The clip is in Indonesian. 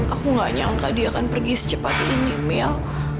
aku gak nyangka dia akan pergi secepat ini meal